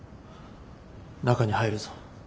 中に入るぞ。